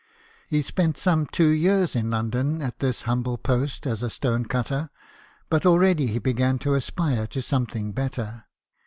He spent some two years in London at this humble post as a stone cutter ; but already he began to aspire to something better.